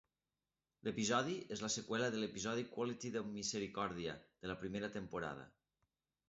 L'episodi és la seqüela de episodi "Quality of Misericòrdia" de la primera temporada.